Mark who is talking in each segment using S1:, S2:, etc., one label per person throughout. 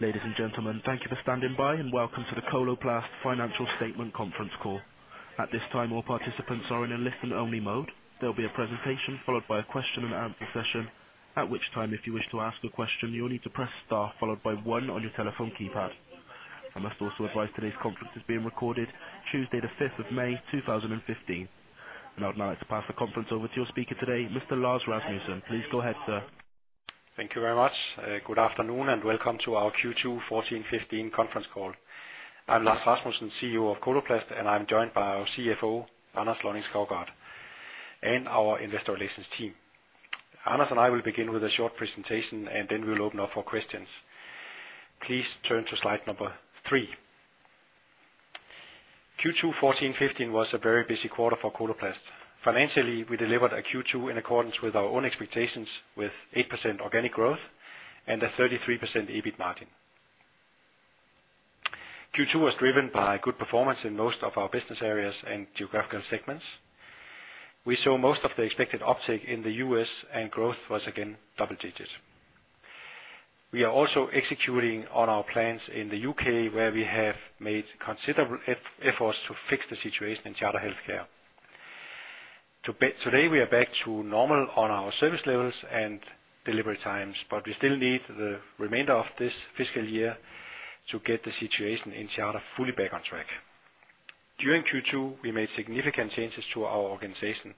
S1: Ladies and gentlemen, thank you for standing by, and welcome to the Coloplast Financial Statement conference call. At this time, all participants are in a listen-only mode. There will be a presentation followed by a question and answer session, at which time, if you wish to ask a question, you will need to press star followed by one on your telephone keypad. I must also advise today's conference is being recorded, Tuesday, the fifth of May, two thousand and fifteen. I'd now like to pass the conference over to your speaker today, Mr. Lars Rasmussen. Please go ahead, sir.
S2: Thank you very much. Good afternoon, and welcome to our Q2 2014-2015 conference call. I'm Lars Rasmussen, CEO of Coloplast, and I'm joined by our CFO, Anders Lønning-Skovgaard, and our investor relations team. Anders and I will begin with a short presentation, and then we'll open up for questions. Please turn to slide number three. Q2 2014-2015 was a very busy quarter for Coloplast. Financially, we delivered a Q2 in accordance with our own expectations, with 8% organic growth and a 33% EBIT margin. Q2 was driven by good performance in most of our business areas and geographical segments. We saw most of the expected uptake in the U.S., and growth was again double digits. We are also executing on our plans in the UK, where we have made considerable efforts to fix the situation in Coloplast Charter. Today, we are back to normal on our service levels and delivery times. We still need the remainder of this fiscal year to get the situation in Charter fully back on track. During Q2, we made significant changes to our organization,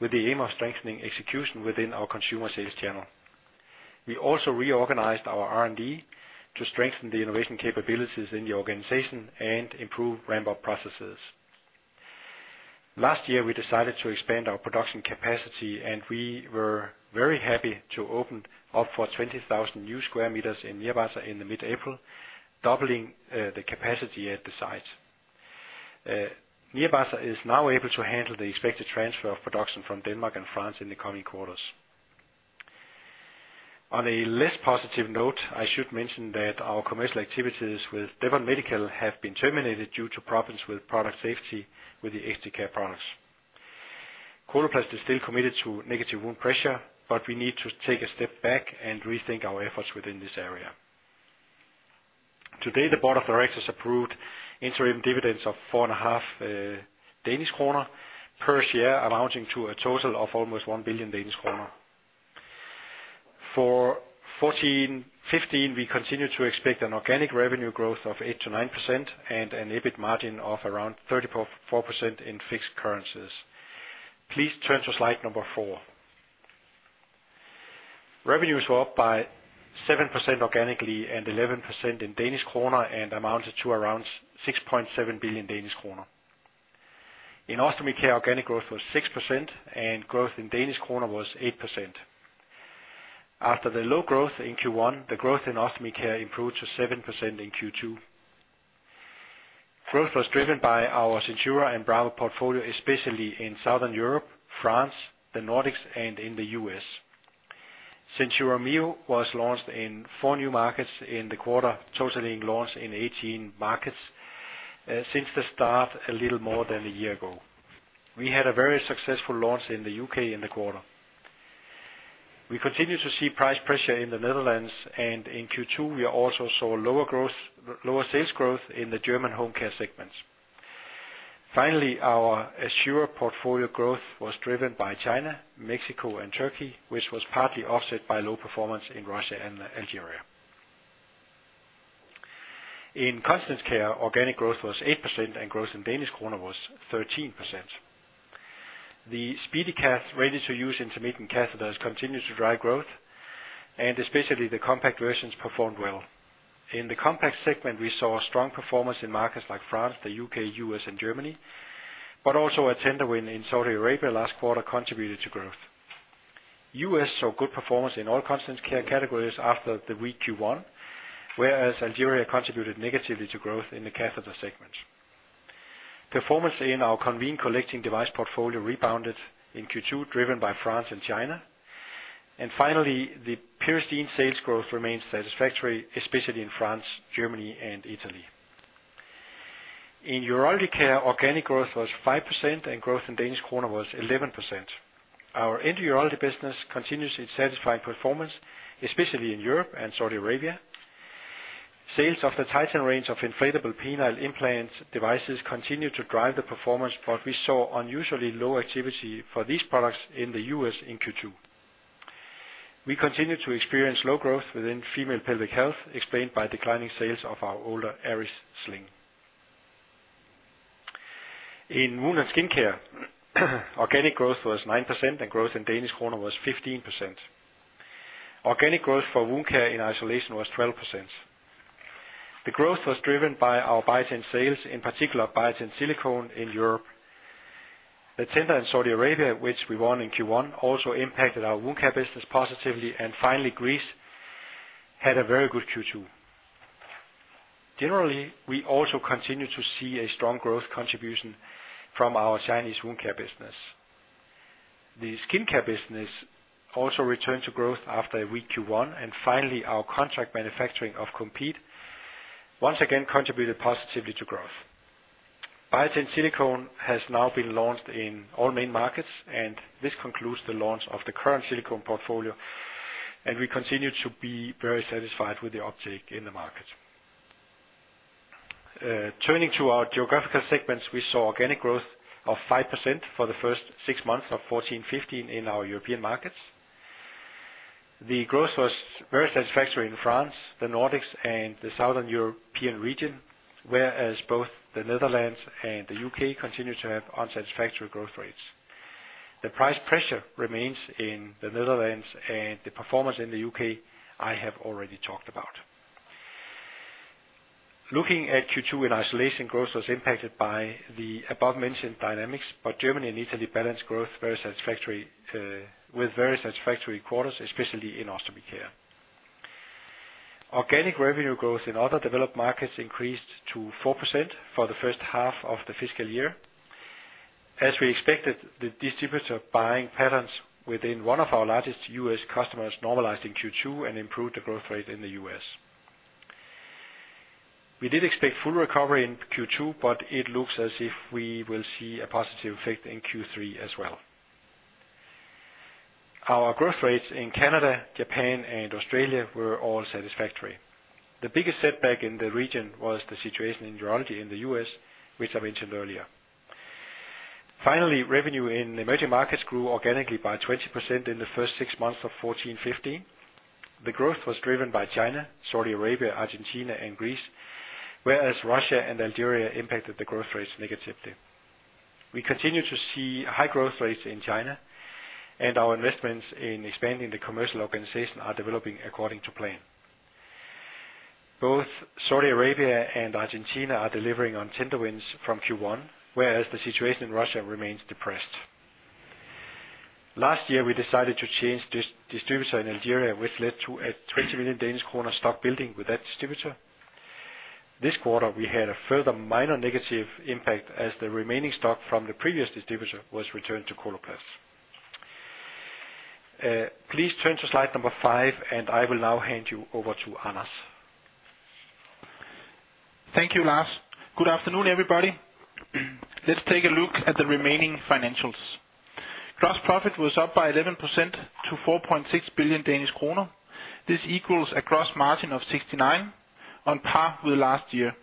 S2: with the aim of strengthening execution within our consumer sales channel. We also reorganized our R&D to strengthen the innovation capabilities in the organization and improve ramp-up processes. Last year, we decided to expand our production capacity, and we were very happy to open up for 20,000 new square meters in Nyírbátor in mid-April, doubling the capacity at the site. Nyírbátor is now able to handle the expected transfer of production from Denmark and France in the coming quarters. On a less positive note, I should mention that our commercial activities with Devon Medical have been terminated due to problems with product safety with the Exac products. Coloplast is still committed to negative wound pressure, but we need to take a step back and rethink our efforts within this area. Today, the board of directors approved interim dividends of four and a half Danish kroner per share, amounting to a total of almost 1 billion Danish kroner. For 2014-2015, we continue to expect an organic revenue growth of 8-9% and an EBIT margin of around 34.4% in fixed currencies. Please turn to slide number four. Revenues were up by 7% organically and 11% in Danish kroner and amounted to around 6.7 billion Danish kroner. In Ostomy Care, organic growth was 6%, and growth in Danish kroner was 8%. After the low growth in Q1, the growth in Ostomy Care improved to 7% in Q2. Growth was driven by our SenSura and Brava portfolio, especially in Southern Europe, France, the Nordics, and in the U.S. SenSura Mio was launched in four new markets in the quarter, totaling launch in 18 markets, since the start a little more than one year ago. We had a very successful launch in the UK in the quarter. We continue to see price pressure in the Netherlands, and in Q2, we also saw lower growth, lower sales growth in the German home care segments. Our Assura portfolio growth was driven by China, Mexico, and Turkey, which was partly offset by low performance in Russia and Algeria. In Continence Care, organic growth was 8%, and growth in DKK was 13%. The SpeediCath ready-to-use intermittent catheters continue to drive growth, and especially the compact versions performed well. In the compact segment, we saw strong performance in markets like France, the UK, U.S., and Germany, but also a tender win in Saudi Arabia last quarter contributed to growth. U.S. saw good performance in all Continence Care categories after the weak Q1, whereas Algeria contributed negatively to growth in the catheter segment. Performance in our Conveen collecting device portfolio rebounded in Q2, driven by France and China. Finally, the Peristeen sales growth remains satisfactory, especially in France, Germany, and Italy. In Urology Care, organic growth was 5%, and growth in DKK was 11%. Our end urology business continues its satisfying performance, especially in Europe and Saudi Arabia. Sales of the Titan range of inflatable penile implant devices continue to drive the performance. We saw unusually low activity for these products in the U.S. in Q2. We continue to experience low growth within female pelvic health, explained by declining sales of our older Aris Sling. In Wound and Skin Care, organic growth was 9%. Growth in DKK was 15%. Organic growth for wound care in isolation was 12%. The growth was driven by our Biatain sales, in particular, Biatain Silicone in Europe. The tender in Saudi Arabia, which we won in Q1, also impacted our wound care business positively. Finally, Greece had a very good Q2. Generally, we also continue to see a strong growth contribution from our Chinese wound care business. The skin care business also returned to growth after a weak Q1. Finally, our contract manufacturing of Compeed once again contributed positively to growth. Biatain Silicone has now been launched in all main markets. This concludes the launch of the current silicone portfolio. We continue to be very satisfied with the uptake in the market. Turning to our geographical segments, we saw organic growth of 5% for the first six months of 2014-2015 in our European markets. The growth was very satisfactory in France, the Nordics, and the Southern European region, whereas both the Netherlands and the UK continued to have unsatisfactory growth rates. The price pressure remains in the Netherlands. The performance in the UK, I have already talked about. Looking at Q2 in isolation, growth was impacted by the above-mentioned dynamics, Germany and Italy balanced growth very satisfactory, with very satisfactory quarters, especially in Ostomy Care. Organic revenue growth in other developed markets increased to 4% for the first half of the fiscal year. As we expected, the distributor buying patterns within one of our largest U.S. customers normalized in Q2 and improved the growth rate in the U.S. We did expect full recovery in Q2, but it looks as if we will see a positive effect in Q3 as well. Our growth rates in Canada, Japan, and Australia were all satisfactory. The biggest setback in the region was the situation in urology in the U.S., which I mentioned earlier. Revenue in emerging markets grew organically by 20% in the first six months of 2014-2015. The growth was driven by China, Saudi Arabia, Argentina and Greece, whereas Russia and Algeria impacted the growth rates negatively. We continue to see high growth rates in China, and our investments in expanding the commercial organization are developing according to plan. Both Saudi Arabia and Argentina are delivering on tender wins from Q1, whereas the situation in Russia remains depressed. Last year, we decided to change distributor in Algeria, which led to a 20 million Danish kroner stock building with that distributor. This quarter, we had a further minor negative impact as the remaining stock from the previous distributor was returned to Coloplast. Please turn to slide five, and I will now hand you over to Anders.
S3: Thank you, Lars. Good afternoon, everybody. Let's take a look at the remaining financials. Gross profit was up by 11% to 4.6 billion Danish kroner. This equals a gross margin of 69% on par with last year.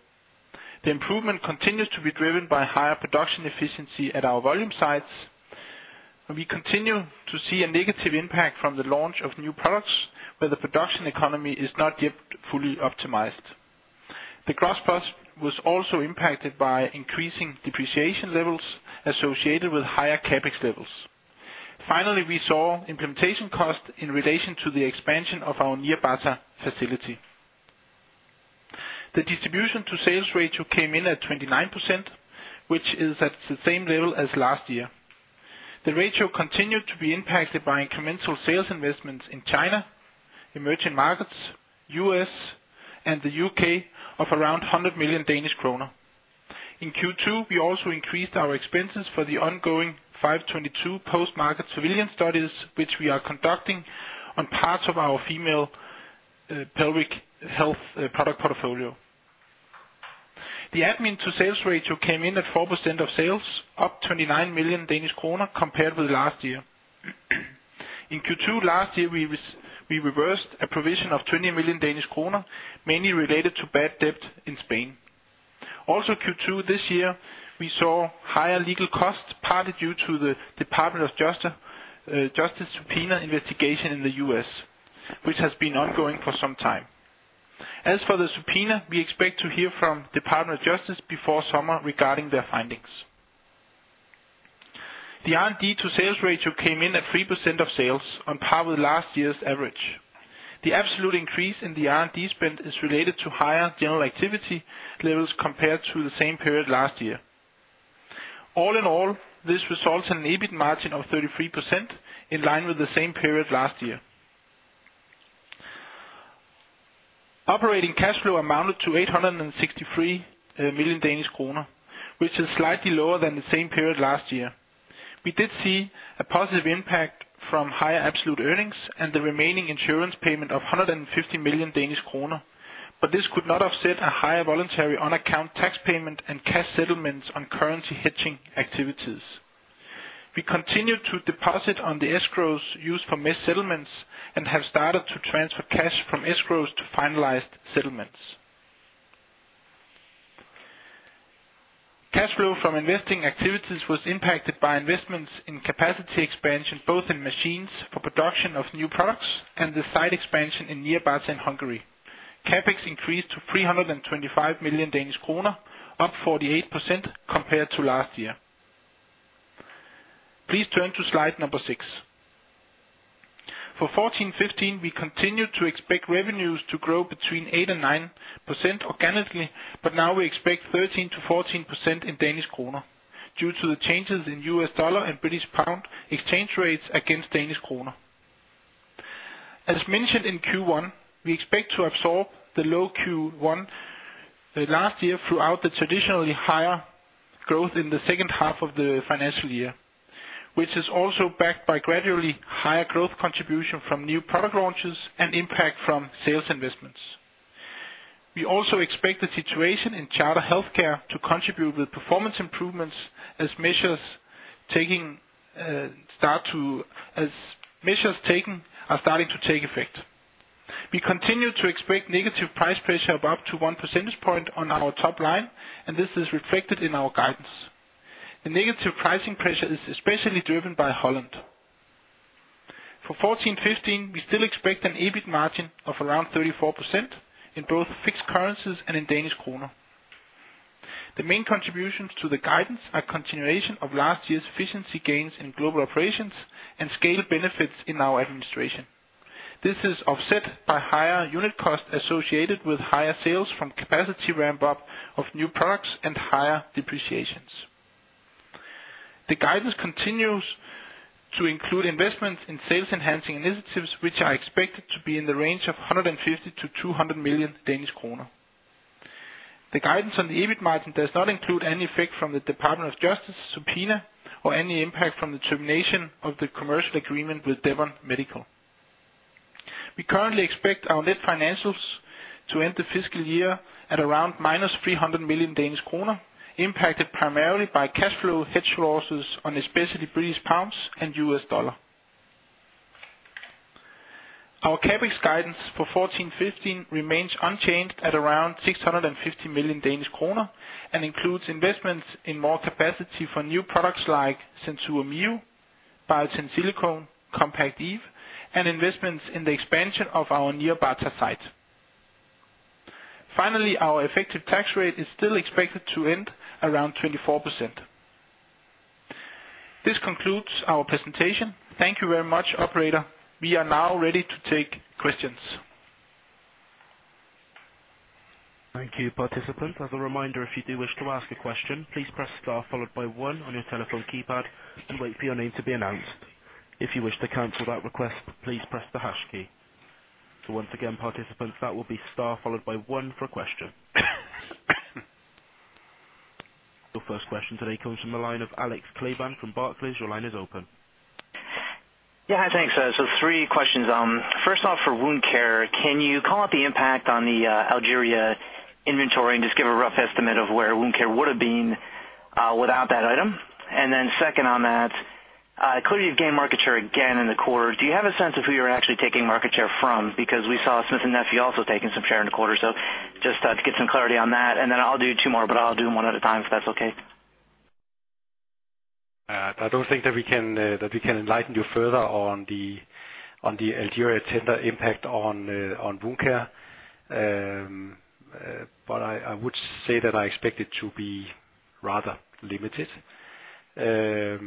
S3: The improvement continues to be driven by higher production efficiency at our volume sites, and we continue to see a negative impact from the launch of new products, where the production economy is not yet fully optimized. The gross profit was also impacted by increasing depreciation levels associated with higher CapEx levels. Finally, we saw implementation costs in relation to the expansion of our Nyírbátor facility. The distribution to sales ratio came in at 29%, which is at the same level as last year. The ratio continued to be impacted by incremental sales investments in China, emerging markets, U.S., and the UK of around 100 million Danish kroner. In Q2, we also increased our expenses for the ongoing Section 522 post-market surveillance studies, which we are conducting on parts of our female pelvic health product portfolio. The admin to sales ratio came in at 4% of sales, up 29 million Danish kroner compared with last year. In Q2 last year, we reversed a provision of 20 million Danish kroner, mainly related to bad debt in Spain. Q2 this year, we saw higher legal costs, partly due to the Department of Justice subpoena investigation in the U.S., which has been ongoing for some time. For the subpoena, we expect to hear from Department of Justice before summer regarding their findings. The R&D to sales ratio came in at 3% of sales, on par with last year's average. The absolute increase in the R&D spend is related to higher general activity levels compared to the same period last year. All in all, this results in an EBIT margin of 33%, in line with the same period last year. Operating cash flow amounted to 863 million Danish kroner, which is slightly lower than the same period last year. We did see a positive impact from higher absolute earnings and the remaining insurance payment of 150 million Danish kroner, but this could not offset a higher voluntary on-account tax payment and cash settlements on currency hedging activities. We continue to deposit on the escrows used for missed settlements and have started to transfer cash from escrows to finalized settlements. Cash flow from investing activities was impacted by investments in capacity expansion, both in machines for production of new products and the site expansion in Nyírbátor in Hungary. CapEx increased to 325 million Danish kroner, up 48% compared to last year. Please turn to slide number six. For 2014-2015, we continued to expect revenues to grow between 8% and 9% organically, but now we expect 13-14% in Danish kroner due to the changes in US dollar and British pound exchange rates against Danish kroner. As mentioned in Q1, we expect to absorb the low Q1 last year throughout the traditionally higher growth in the second half of the financial year. which is also backed by gradually higher growth contribution from new product launches and impact from sales investments. We also expect the situation in Coloplast Charter to contribute with performance improvements as measures taken are starting to take effect. We continue to expect negative price pressure of up to 1 percentage point on our top line. This is reflected in our guidance. The negative pricing pressure is especially driven by Holland. For 2014-2015, we still expect an EBIT margin of around 34% in both fixed currencies and in Danish kroner. The main contributions to the guidance are continuation of last year's efficiency gains in global operations and scale benefits in our administration. This is offset by higher unit costs associated with higher sales from capacity ramp-up of new products and higher depreciations. The guidance continues to include investments in sales enhancing initiatives, which are expected to be in the range of 150 million-200 million Danish kroner. The guidance on the EBIT margin does not include any effect from the Department of Justice subpoena or any impact from the termination of the commercial agreement with Devon Medical. We currently expect our net financials to end the fiscal year at around minus 300 million Danish kroner, impacted primarily by cash flow hedge losses on especially British pounds and US dollar. Our CapEx guidance for 2014-2015 remains unchanged at around 650 million Danish kroner, and includes investments in more capacity for new products like SenSura Mio, Biatain Silicone, Compact Eve, and investments in the expansion of our Nyírbátor site. Finally, our effective tax rate is still expected to end around 24%. This concludes our presentation. Thank you very much, operator. We are now ready to take questions.
S1: Thank you, participant. As a reminder, if you do wish to ask a question, please press star followed by one on your telephone keypad and wait for your name to be announced. If you wish to cancel that request, please press the hash key. Once again, participants, that will be star followed by one for a question. Your first question today comes from the line of Alex Kleban from Barclays. Your line is open.
S4: Yeah, hi. Thanks. Three questions. First off, for Wound Care, can you call out the impact on the Algeria inventory and just give a rough estimate of where Wound Care would have been without that item? Second on that, clearly, you've gained market share again in the quarter. Do you have a sense of who you're actually taking market share from? Because we saw Smith+Nephew also taking some share in the quarter. Just to get some clarity on that, and then I'll do two more, but I'll do them one at a time, if that's okay.
S3: I don't think that we can enlighten you further on the Algeria tender impact on Wound Care. I would say that I expect it to be rather limited. Yeah,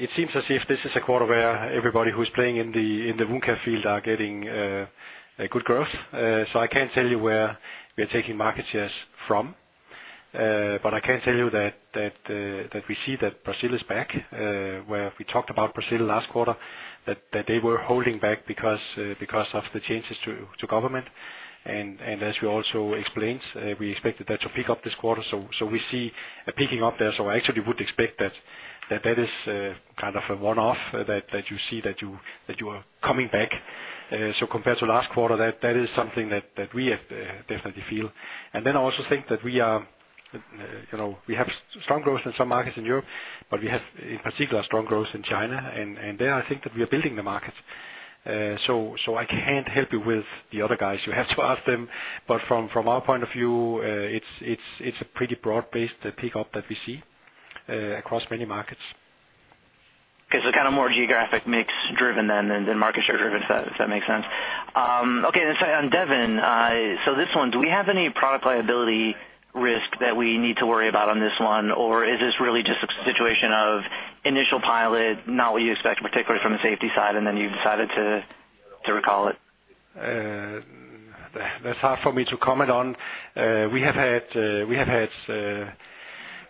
S3: it seems as if this is a quarter where everybody who's playing in the Wound Care field are getting a good growth. I can't tell you where we are taking market shares from, but I can tell you that we see that Brazil is back, where we talked about Brazil last quarter, that they were holding back because of the changes to government. As we also explained, we expected that to pick up this quarter. We see a picking up there. I actually would expect that is kind of a one-off, that you see that you are coming back. Compared to last quarter, that is something that we have definitely feel. I also think that we are, you know, we have strong growth in some markets in Europe, but we have, in particular, strong growth in China. There, I think that we are building the market. I can't help you with the other guys. You have to ask them, from our point of view, it's a pretty broad-based pick up that we see across many markets.
S4: Kind of more geographic mix driven then, than market share driven, if that makes sense. Let's say on Devon, this one, do we have any product liability risk that we need to worry about on this one? Or is this really just a situation of initial pilot, not what you expect, particularly from the safety side, and then you decided to recall it?
S3: That's hard for me to comment on. We have had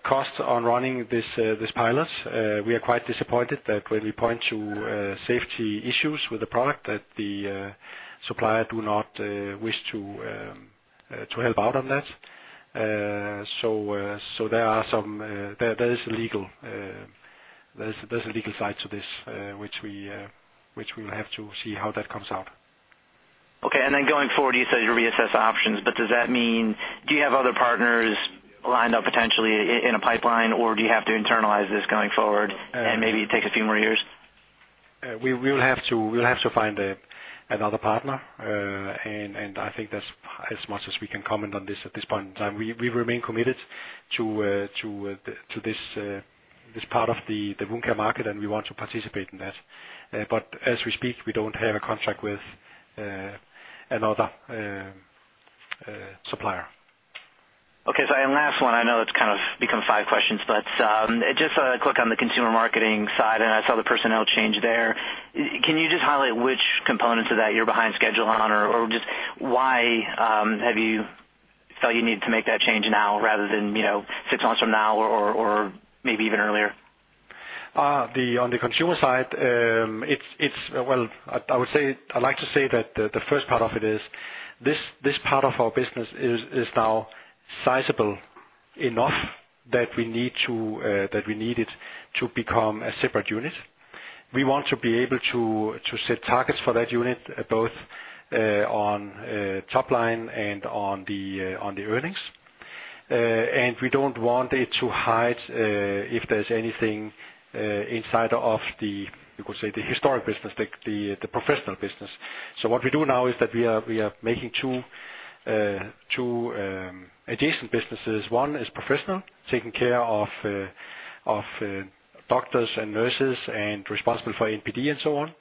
S3: costs on running this pilot. We are quite disappointed that when we point to safety issues with the product, that the supplier do not wish to help out on that. So there's a legal side to this, which we'll have to see how that comes out.
S4: Okay. Going forward, you said you'll reassess options, but does that mean. Do you have other partners lined up potentially in a pipeline, or do you have to internalize this going forward and maybe it takes a few more years?
S3: We'll have to find another partner, and I think that's as much as we can comment on this at this point in time. We remain committed to this part of the wound care market, and we want to participate in that. As we speak, we don't have a contract with another supplier.
S4: Okay, last one, I know it's kind of become five questions, but just a quick on the consumer marketing side, and I saw the personnel change there. Can you just highlight which components of that you're behind schedule on? Or just why have you felt you needed to make that change now rather than, you know, six months from now or, or maybe even earlier?
S2: The, on the consumer side, well, I would say, I'd like to say that the first part of it is this part of our business is now sizable enough that we need it to become a separate unit. We want to be able to set targets for that unit, both on top line and on the earnings. We don't want it to hide if there's anything inside of the, you could say, the historic business, like the professional business. What we do now is that we are making two adjacent businesses. One is professional, taking care of doctors and nurses and responsible for NPD and so on.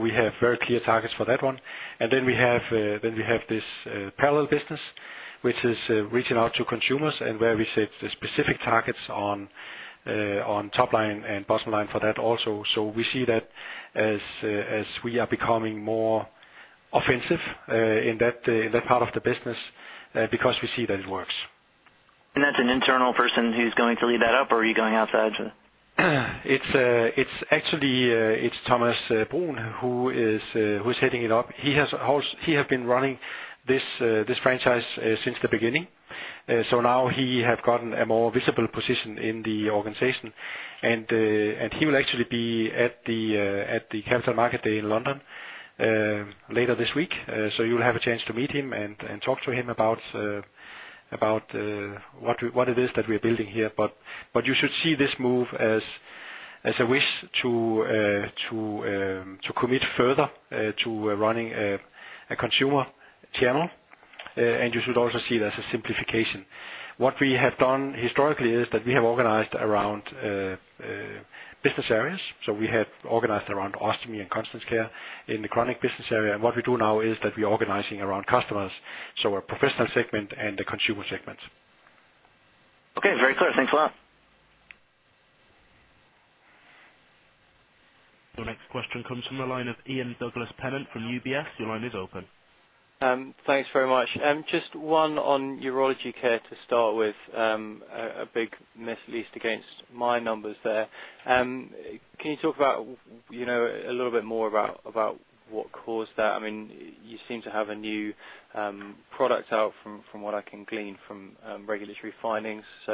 S2: We have very clear targets for that one. We have this parallel business, which is reaching out to consumers and where we set the specific targets on top line and bottom line for that also. We see that as as we are becoming more offensive in that in that part of the business because we see that it works.
S4: That's an internal person who's going to lead that up, or are you going outside?
S2: It's actually, it's Thomas Bruun, who's heading it up. He has been running this franchise since the beginning. Now he have gotten a more visible position in the organization, and he will actually be at the Capital Market Day in London later this week. You'll have a chance to meet him and talk to him about what it is that we're building here. You should see this move as a wish to commit further to running a consumer channel. You should also see it as a simplification. What we have done historically is that we have organized around business areas, so we have organized around Ostomy Care and Continence Care in the chronic business area. What we do now is that we're organizing around customers, so our professional segment and the consumer segment.
S4: Okay, very clear. Thanks a lot.
S1: Your next question comes from the line of Ian Douglas-Pennant from UBS. Your line is open.
S5: Thanks very much. Just one on urology care to start with, a big miss, at least against my numbers there. Can you talk about, you know, a little bit more about what caused that? I mean, you seem to have a new product out from what I can glean from regulatory findings. So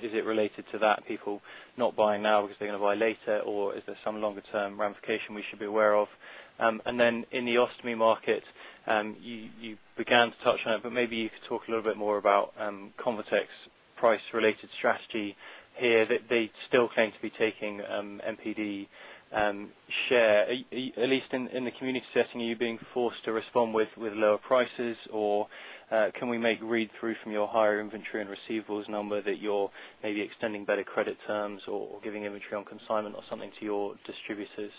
S5: is it related to that, people not buying now because they're going to buy later, or is there some longer term ramification we should be aware of? Then in the ostomy market, you began to touch on it, but maybe you could talk a little bit more about ConvaTec's price-related strategy here, that they still claim to be taking NPD share. At least in the community setting, are you being forced to respond with lower prices? Can we make read through from your higher inventory and receivables number that you're maybe extending better credit terms or giving inventory on consignment or something to your distributors?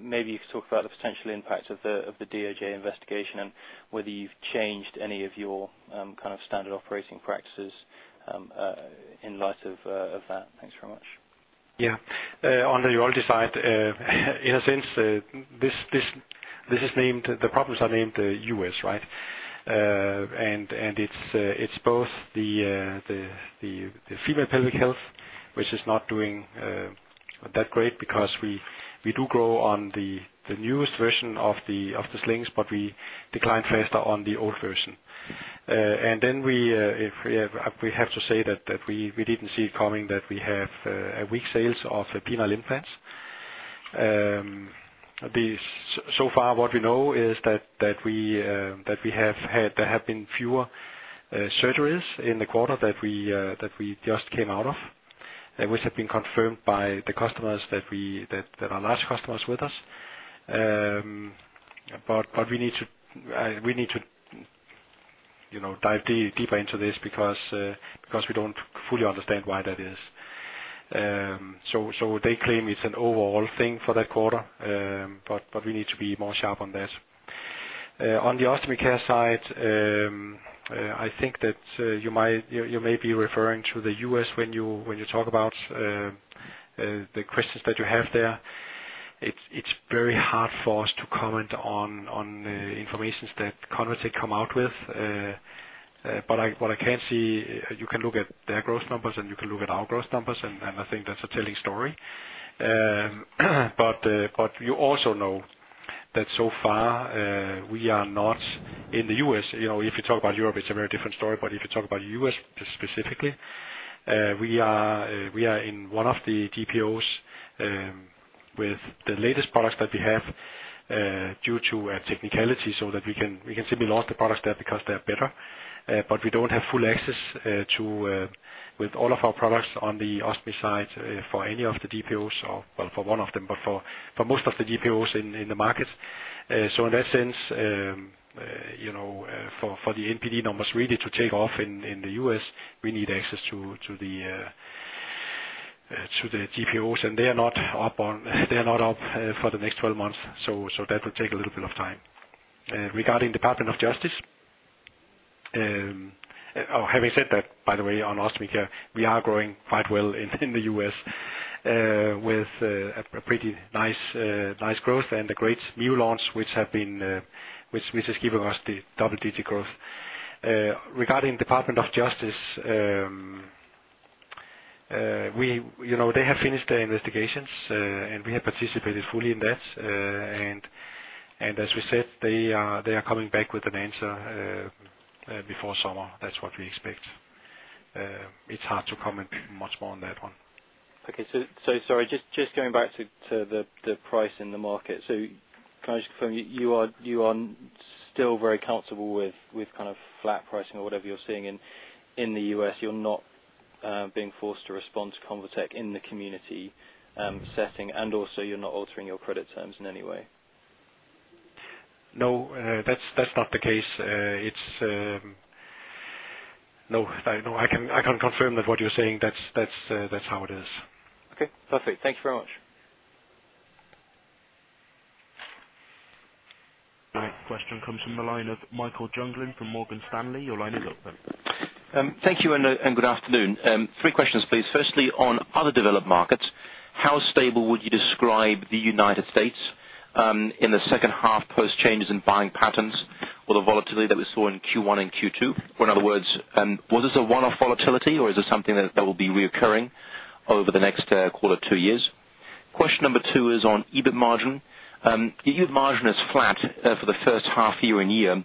S5: Maybe you could talk about the potential impact of the DOJ investigation, and whether you've changed any of your kind of standard operating practices in light of that. Thanks very much.
S2: Yeah. On the urology side, in a sense, this is named, the problems are named U.S., right? It's both the female pelvic health, which is not doing that great because we do grow on the newest version of the slings, but we decline faster on the old version. Then we, if we have, we have to say that we didn't see it coming, that we have a weak sales of penile implants. The so far, what we know is that we have had fewer surgeries in the quarter that we just came out of, and which have been confirmed by the customers that are large customers with us. We need to, you know, dive deeper into this because we don't fully understand why that is. They claim it's an overall thing for that quarter, we need to be more sharp on that. On the Ostomy Care side, I think that you may be referring to the U.S. when you talk about the questions that you have there. It's very hard for us to comment on information that ConvaTec come out with. What I can see, you can look at their growth numbers, and you can look at our growth numbers, I think that's a telling story. that so far, we are not in the U.S. You know, if you talk about Europe, it's a very different story, but if you talk about U.S. specifically, we are in one of the GPOs with the latest products that we have due to a technicality, so that we can simply launch the products there because they're better. But we don't have full access to with all of our products on the Ostomy Care side for any of the GPOs or, well, for one of them, but for most of the GPOs in the market In that sense, you know, for the NPD numbers really to take off in the U.S., we need access to the GPOs, and they are not up for the next 12 months. That will take a little bit of time. Regarding Department of Justice, oh, having said that, by the way, on Ostomy Care, we are growing quite well in the U.S., with a pretty nice growth and a great new launch which have been which is giving us the double-digit growth. Regarding Department of Justice, we, you know, they have finished their investigations, and we have participated fully in that. As we said, they are coming back with an answer before summer. That's what we expect. It's hard to comment much more on that one.
S5: Okay. Sorry, just going back to the price in the market. Can I just confirm, you are still very comfortable with kind of flat pricing or whatever you're seeing in the US? You're not being forced to respond to ConvaTec in the community setting, and also you're not altering your credit terms in any way?
S2: No, that's not the case. No, I can confirm that what you're saying, that's how it is.
S5: Okay, perfect. Thank you very much.
S1: The next question comes from the line of Michael Jüngling from Morgan Stanley. Your line is open.
S6: Thank you and good afternoon. Three questions, please. Firstly, on other developed markets, how stable would you describe the United States in the second half, post changes in buying patterns or the volatility that we saw in Q1 and Q2? In other words, was this a one-off volatility, or is this something that will be reoccurring over the next, call it two years? Question number two is on EBIT margin. The EBIT margin is flat for the first half year and year.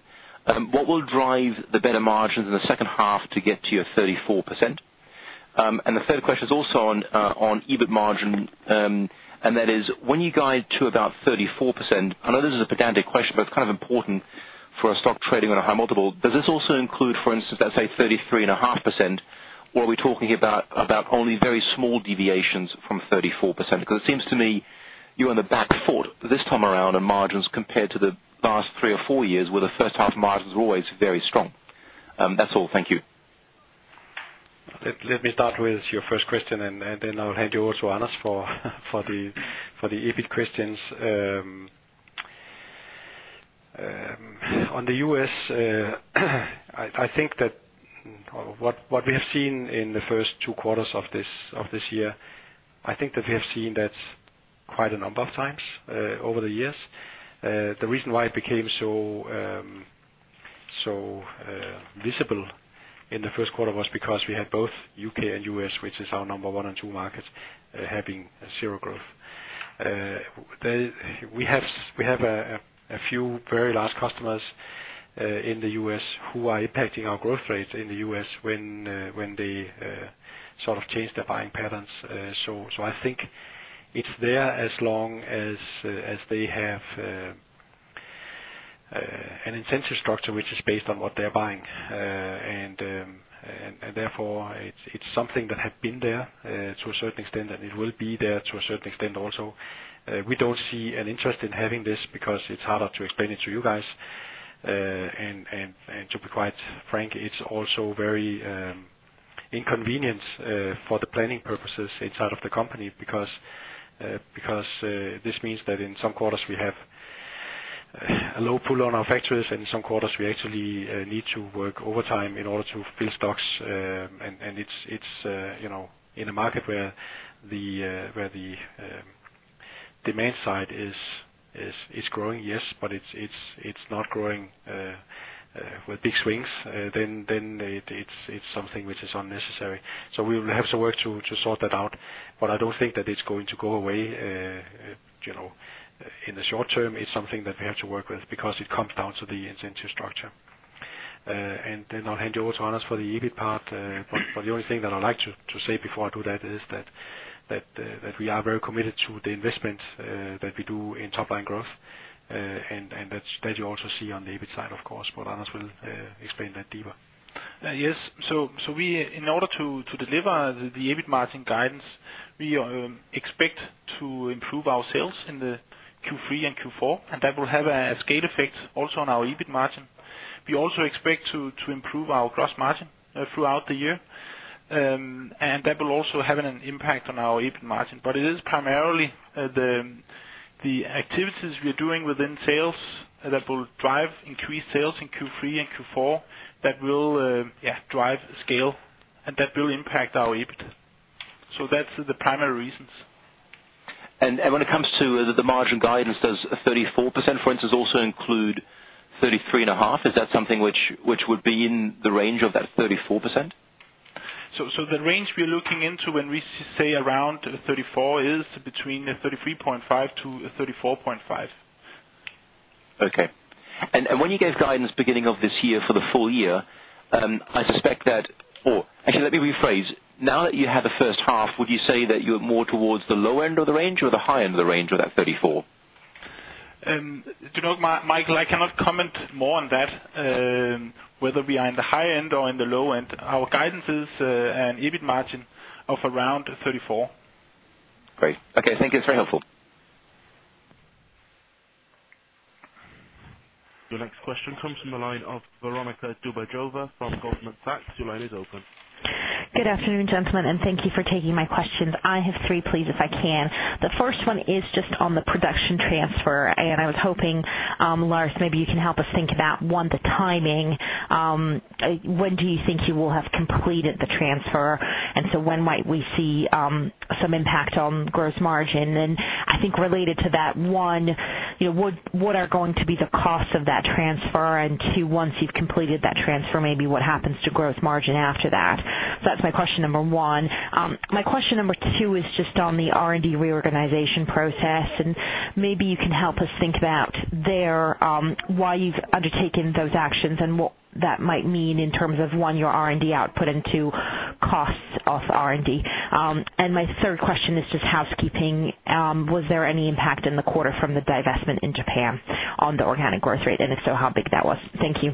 S6: What will drive the better margins in the second half to get to your 34%? The third question is also on EBIT margin, and that is when you guide to about 34%, I know this is a pedantic question, but it's kind of important for a stock trading on a high multiple. Does this also include, for instance, let's say 33.5%? Or are we talking about only very small deviations from 34%? Because it seems to me you're on the back foot this time around on margins compared to the past three or four years, where the first half margins were always very strong. That's all. Thank you.
S2: Let me start with your first question, and then I'll hand you over to Anders for the EBIT questions. On the U.S., I think that what we have seen in the first two quarters of this year, I think that we have seen that quite a number of times over the years. The reason why it became so visible in the first quarter was because we had both UK and U.S., which is our number one and two markets, having zero growth. We have a few very large customers in the U.S. who are impacting our growth rate in the U.S. when they sort of change their buying patterns. I think it's there as long as they have an incentive structure, which is based on what they're buying. Therefore, it's something that had been there to a certain extent, and it will be there to a certain extent also. We don't see an interest in having this, because it's harder to explain it to you guys. To be quite frank, it's also very inconvenient for the planning purposes inside of the company, because this means that in some quarters, we have a low pull on our factories, and in some quarters, we actually need to work overtime in order to fill stocks. It's, you know, in a market where the demand side is growing, yes, but it's not growing, with big swings. It's something which is unnecessary. We will have to work to sort that out, but I don't think that it's going to go away, you know, in the short term. It's something that we have to work with, because it comes down to the incentive structure. Then I'll hand you over to Anders for the EBIT part. The only thing that I'd like to say before I do that is that we are very committed to the investment that we do in top line growth. That's that you also see on the EBIT side, of course, but Anders will explain that deeper.
S3: We, in order to deliver the EBIT margin guidance, we expect to improve our sales in the Q3 and Q4. That will have a scale effect also on our EBIT margin. We also expect to improve our gross margin throughout the year. That will also have an impact on our EBIT margin. It is primarily the activities we are doing within sales that will drive increased sales in Q3 and Q4. That will drive scale, and that will impact our EBIT. That's the primary reasons.
S6: When it comes to the margin guidance, does 34%, for instance, also include 33.5%? Is that something which would be in the range of that 34%?
S3: The range we're looking into when we say around 34 is between 33.5 to 34.5.
S6: Okay. When you gave guidance beginning of this year for the full year, actually, let me rephrase. Now that you have the first half, would you say that you're more towards the low end of the range or the high end of the range with that 34?
S3: you know, Michael, I cannot comment more on that, whether we are in the high end or in the low end. Our guidance is an EBIT margin of around 34%.
S6: Great. Okay, thank you. It's very helpful.
S1: Your next question comes from the line of Veronika Dubajova from Goldman Sachs. Your line is open.
S7: Good afternoon, gentlemen. Thank you for taking my questions. I have three, please, if I can. The first one is just on the production transfer. I was hoping, Lars, maybe you can help us think about, one, the timing. When do you think you will have completed the transfer? So when might we see some impact on gross margin? I think related to that, one, you know, what are going to be the costs of that transfer? Two, once you've completed that transfer, maybe what happens to gross margin after that? That's my question number one. My question number two is just on the R&D reorganization process, and maybe you can help us think about there, why you've undertaken those actions and what that might mean in terms of, one, your R&D output, and two, costs of R&D. My third question is just housekeeping. Was there any impact in the quarter from the divestment in Japan on the organic growth rate, and if so, how big that was? Thank you.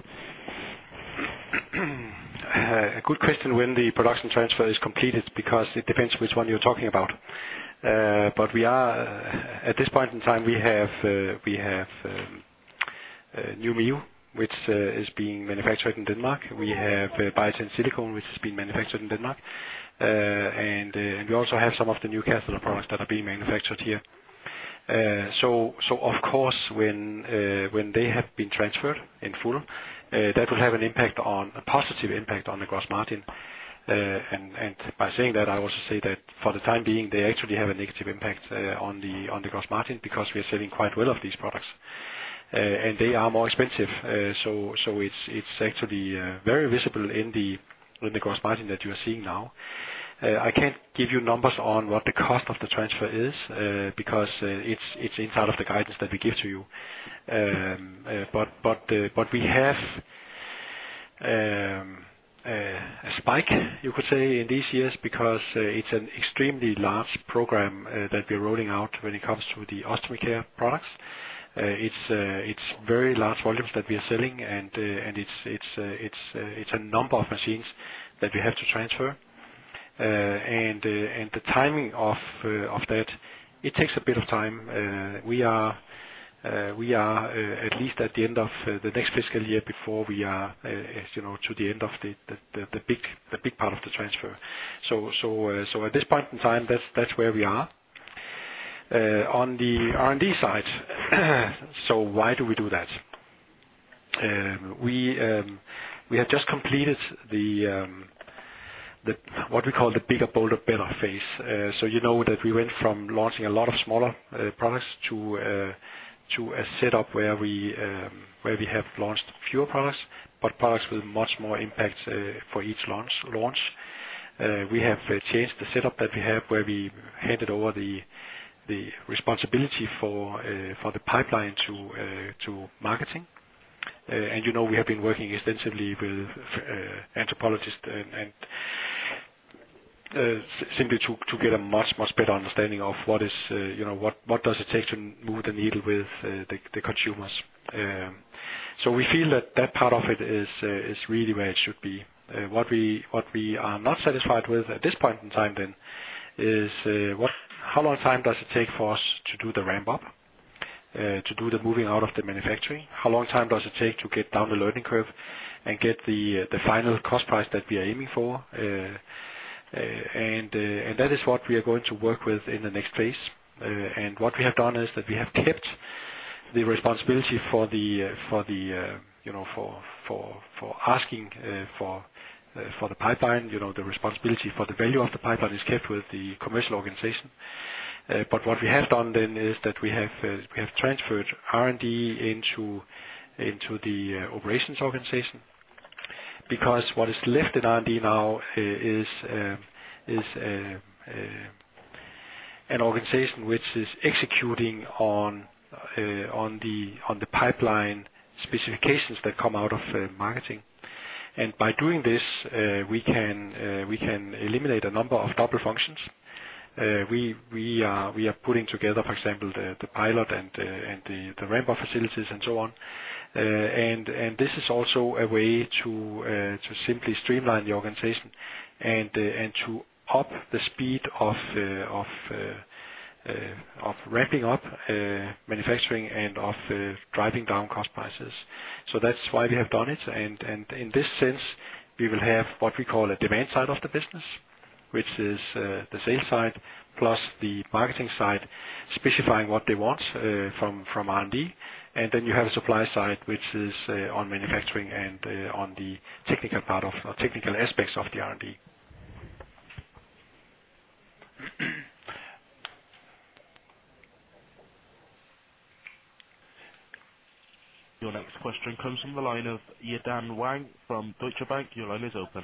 S2: A good question, when the production transfer is completed, because it depends which one you're talking about. We are, at this point in time, we have new Mio, which is being manufactured in Denmark. We have Biatain Silicone, which is being manufactured in Denmark. We also have some of the new catheter products that are being manufactured here. Of course, when they have been transferred in full, that will have an impact on, a positive impact on the gross margin. By saying that, I also say that for the time being, they actually have a negative impact, on the, on the gross margin, because we are selling quite well of these products, and they are more expensive. So it's actually very visible in the gross margin that you are seeing now. I can't give you numbers on what the cost of the transfer is, because it's inside of the guidance that we give to you. But we have a spike, you could say, in these years, because it's an extremely large program that we're rolling out when it comes to the Ostomy Care products. It's very large volumes that we are selling, and it's a number of machines that we have to transfer. And the timing of that, it takes a bit of time. We are at least at the end of the next fiscal year before we are, as you know, to the end of the big part of the transfer. So at this point in time, that's where we are. On the R&D side, so why do we do that? We have just completed the what we call the bigger, bolder, better phase. So you know that we went from launching a lot of smaller products to a setup where we have launched fewer products, but products with much more impact for each launch. We have changed the setup that we have, where we handed over the responsibility for the pipeline to marketing. You know, we have been working extensively with anthropologists and simply to get a much better understanding of what is, you know, what does it take to move the needle with the consumers. We feel that that part of it is really where it should be. What we are not satisfied with at this point in time then is how long time does it take for us to do the ramp up to do the moving out of the manufacturing? How long time does it take to get down the learning curve and get the final cost price that we are aiming for? That is what we are going to work with in the next phase. What we have done is that we have kept the responsibility for the, you know, for asking for the pipeline. You know, the responsibility for the value of the pipeline is kept with the commercial organization. What we have done then is that we have transferred R&D into the operations organization, because what is left in R&D now is an organization which is executing on the pipeline specifications that come out of marketing. By doing this, we can eliminate a number of double functions. We are putting together, for example, the pilot and the ramp-up facilities and so on. And this is also a way to simply streamline the organization and to up the speed of ramping up manufacturing and of driving down cost prices. So that's why we have done it, and in this sense, we will have what we call a demand side of the business, which is the sales side, plus the marketing side, specifying what they want from R&D. Then you have a supply side, which is on manufacturing and on the technical part of, or technical aspects of the R&D.
S1: Your next question comes from the line of Yidan Wang from Deutsche Bank. Your line is open.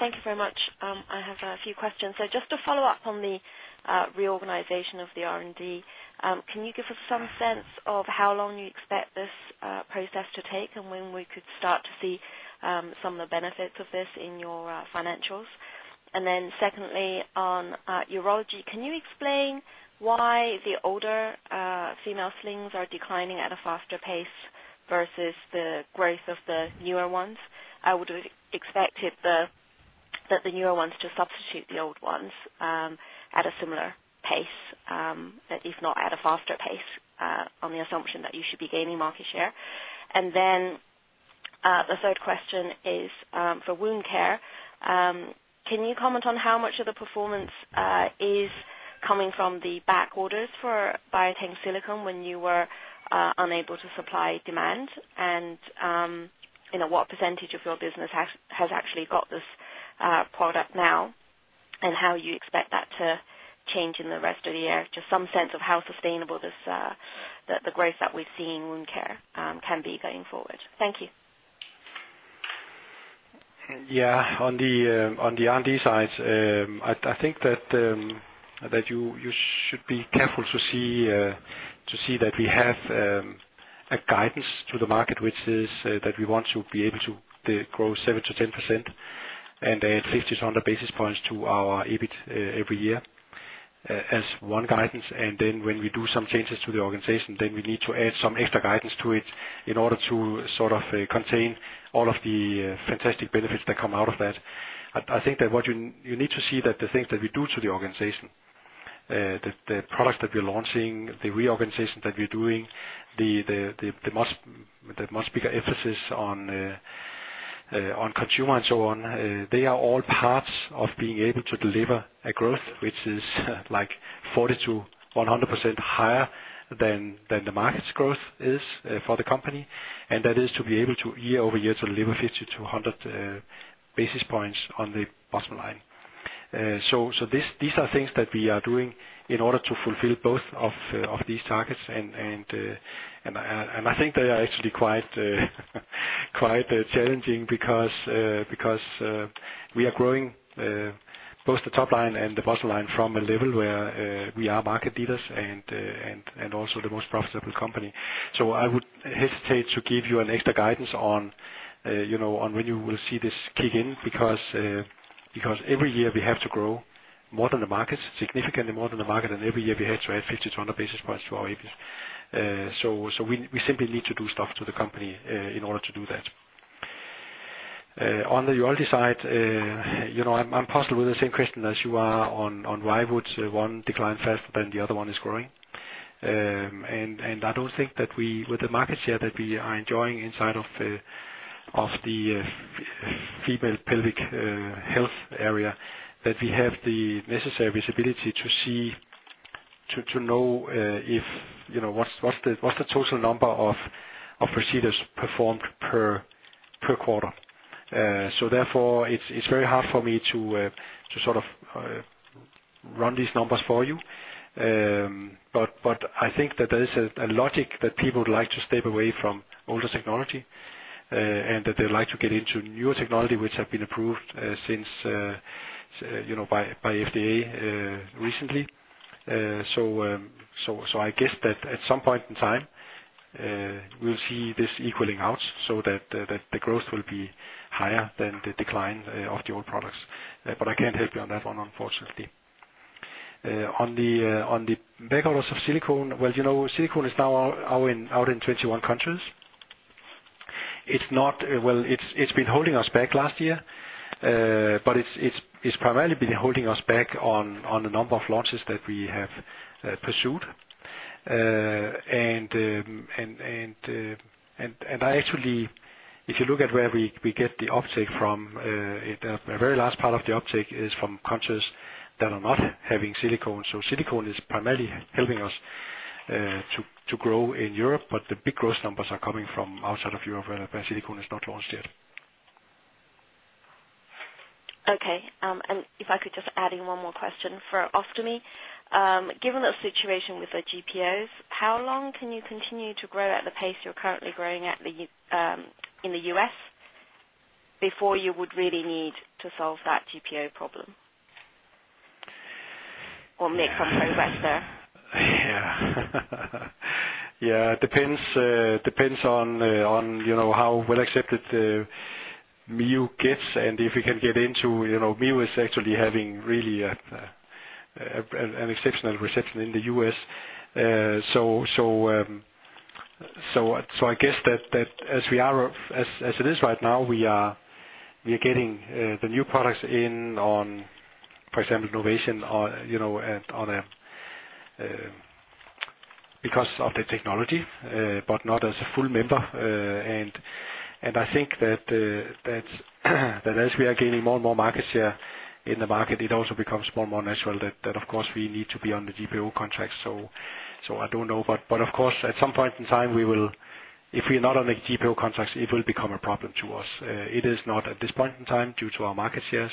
S8: Thank you very much. I have a few questions. Just to follow up on the reorganization of the R&D, can you give us some sense of how long you expect this process to take, and when we could start to see some of the benefits of this in your financials? Secondly, on urology, can you explain why the older female slings are declining at a faster pace versus the growth of the newer ones? I would have expected that the newer ones to substitute the old ones at a similar pace, if not at a faster pace, on the assumption that you should be gaining market share. The third question is for wound care. Can you comment on how much of the performance is coming from the back orders for Biatain Silicone when you were unable to supply demand? You know, what % of your business has actually got this product now, and how you expect that to change in the rest of the year? Just some sense of how sustainable the growth that we've seen in wound care, can be going forward. Thank you.
S2: Yeah. On the on the R&D side, I think that you should be careful to see that we have a guidance to the market, which is that we want to be able to grow 7-10%, and add 50-100 basis points to our EBIT every year as one guidance. Then when we do some changes to the organization, then we need to add some extra guidance to it in order to sort of contain all of the fantastic benefits that come out of that. I think that what you need to see that the things that we do to the organization, the products that we're launching, the reorganization that we're doing, the most bigger emphasis on consumer and so on, they are all parts of being able to deliver a growth, which is like 40-100% higher than the market's growth is for the company. That is to be able to year-over-year, to deliver 50-100 basis points on the bottom line. These are things that we are doing in order to fulfill both of these targets. I think they are actually quite challenging because we are growing both the top line and the bottom line from a level where we are market leaders and also the most profitable company. I would hesitate to give you an extra guidance on, you know, on when you will see this kick in, because every year we have to grow more than the market, significantly more than the market, and every year we had to add 50-100 basis points to our EBIT. We simply need to do stuff to the company in order to do that. On the urology side, you know, I'm possibly the same question as you are on why would one decline faster than the other one is growing? I don't think that with the market share that we are enjoying inside of the female pelvic health area, that we have the necessary visibility to see, to know, if, you know, what's the, what's the total number of procedures performed per quarter. So therefore, it's very hard for me to sort of run these numbers for you. I think that there is a logic that people would like to step away from older technology, and that they'd like to get into newer technology, which have been approved since, you know, by FDA recently. I guess that at some point in time, we'll see this equaling out so that the growth will be higher than the decline of the old products. I can't help you on that one, unfortunately. On the back orders of silicone, well, you know, silicone is now out in 21 countries. Well, it's been holding us back last year, but it's primarily been holding us back on the number of launches that we have pursued. I actually, if you look at where we get the uptake from, the very last part of the uptake is from countries that are not having silicone. Silicone is primarily helping us, to grow in Europe, but the big growth numbers are coming from outside of Europe, where silicone is not launched yet.
S8: Okay. If I could just add in one more question for Ostomy. Given the situation with the GPOs, how long can you continue to grow at the pace you're currently growing at in the U.S., before you would really need to solve that GPO problem? Make some progress there.
S2: Yeah. Yeah, it depends on, you know, how well accepted Mio gets, and if we can get into, you know, Mio is actually having really an exceptional reception in the U.S. I guess that as we are, as it is right now, we are getting the new products in on, for example, innovation on, you know, at, on a, because of the technology, but not as a full member. I think that as we are gaining more and more market share in the market, it also becomes more and more natural that of course, we need to be on the GPO contract. I don't know. Of course, at some point in time, we will if we're not on the GPO contracts, it will become a problem to us. It is not at this point in time due to our market shares,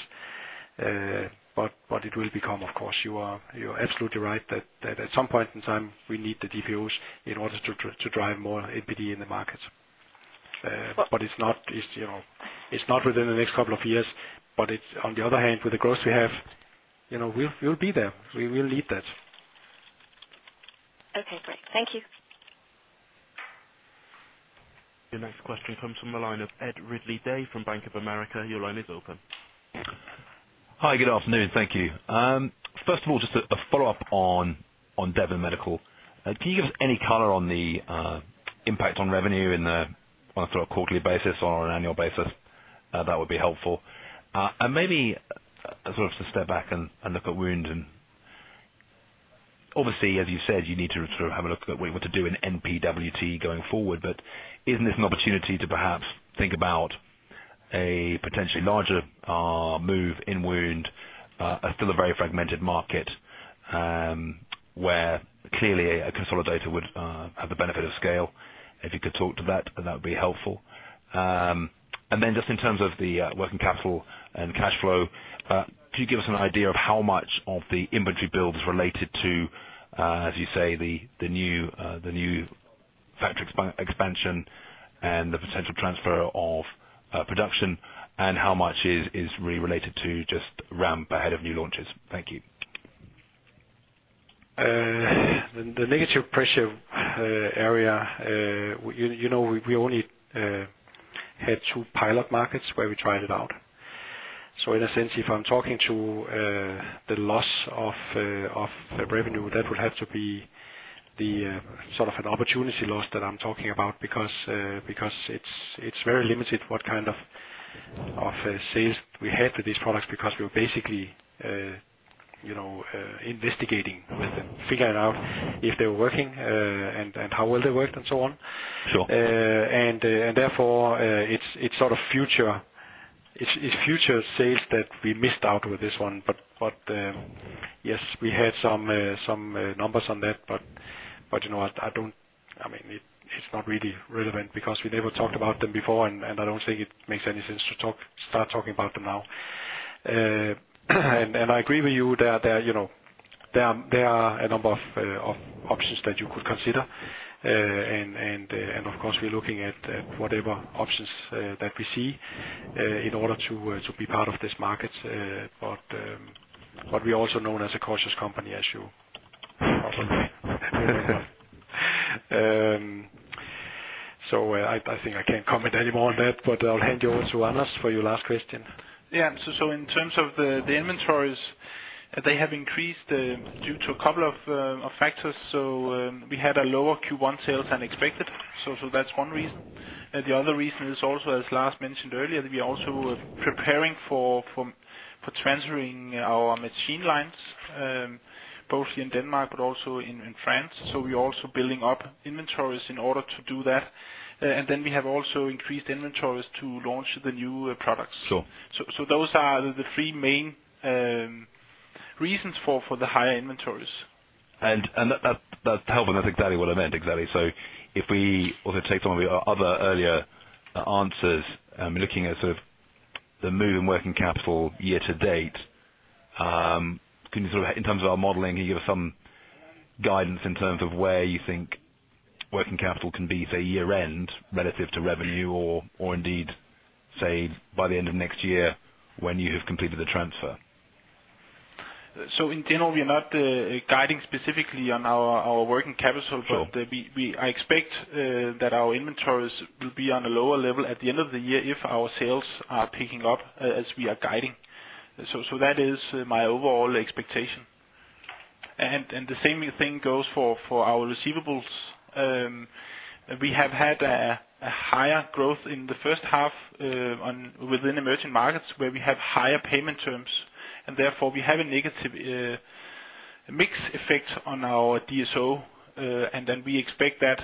S2: but it will become. Of course, you are absolutely right that at some point in time, we need the GPOs in order to drive more NPD in the market. It's not, you know, it's not within the next couple of years, but it's on the other hand, with the growth we have, you know, we'll be there. We will need that.
S8: Okay, great. Thank you.
S1: Your next question comes from the line of Ed Ridley-Day from Bank of America. Your line is open.
S9: Hi, good afternoon. Thank you. First of all, just a follow-up on Devon Medical. Can you give us any color on the impact on revenue on a sort of quarterly basis or an annual basis? That would be helpful. Maybe sort of to step back and look at wound, and obviously, as you said, you need to sort of have a look at what to do in NPWT going forward. Isn't this an opportunity to perhaps think about a potentially larger move in wound, a still a very fragmented market? Where clearly a consolidator would have the benefit of scale. If you could talk to that would be helpful. Just in terms of the working capital and cash flow, can you give us an idea of how much of the inventory build is related to, as you say, the new factory expansion and the potential transfer of production, and how much is related to just ramp ahead of new launches? Thank you.
S2: The negative pressure area, you know, we only had two pilot markets where we tried it out. In a sense, if I'm talking to the loss of revenue, that would have to be the sort of an opportunity loss that I'm talking about, because it's very limited what kind of sales we had with these products, because we were basically, you know, investigating with them, figuring out if they were working, and how well they worked and so on.
S9: Sure.
S2: Therefore, it's future sales that we missed out with this one. Yes, we had some numbers on that, you know, I mean, it's not really relevant because we never talked about them before, and I don't think it makes any sense to start talking about them now. I agree with you that, you know, there are a number of options that you could consider. Of course, we're looking at whatever options that we see in order to be part of this market. We're also known as a cautious company. I think I can't comment any more on that, but I'll hand you over to Anders for your last question.
S3: Yeah. In terms of the inventories, they have increased due to a couple of factors. We had a lower Q1 sales than expected, so that's one reason. The other reason is also, as Lars mentioned earlier, we are also preparing for transferring our machine lines, both in Denmark but also in France. We are also building up inventories in order to do that. We have also increased inventories to launch the new products.
S9: Sure.
S3: Those are the three main reasons for the higher inventories.
S9: That's helpful, and I think exactly what I meant, exactly. If we were to take some of the other earlier answers, looking at sort of the move in working capital year to date, can you sort of, in terms of our modeling, can you give us some guidance in terms of where you think working capital can be for year-end relative to revenue, or indeed, say, by the end of next year when you have completed the transfer? In general, we are not guiding specifically on our working capital. Sure.
S3: I expect that our inventories will be on a lower level at the end of the year if our sales are picking up as we are guiding. That is my overall expectation. The same thing goes for our receivables. We have had a higher growth in the first half within emerging markets, where we have higher payment terms, and therefore, we have a negative mix effect on our DSO. Then we expect that,